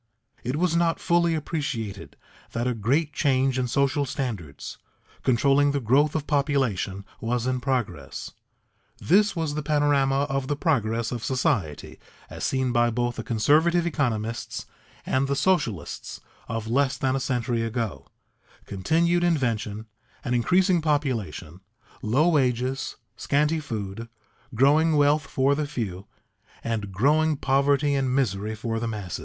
It was not fully appreciated that a great change in social standards, controlling the growth of population, was in progress. This was the panorama of the progress of society as seen by both the conservative economists and the socialists of less than a century ago: continued invention, an increasing population, low wages, scanty food, growing wealth for the few, and growing poverty and misery for the masses.